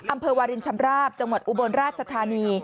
อำเภอวารินชำราบจังหวัดอุบลราชธานี